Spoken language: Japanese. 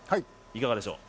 いかがでしょう？